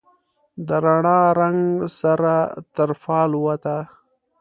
د رڼا، رنګ سره تر فال ووته